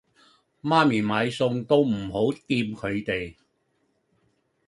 媽咪買餸都唔好掂佢哋